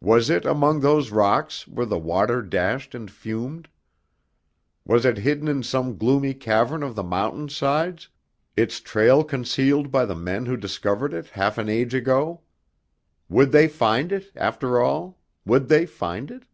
Was it among those rocks, where the water dashed and fumed? Was it hidden in some gloomy cavern of the mountain sides, its trail concealed by the men who discovered it half an age ago? Would they find it, after all would they find it?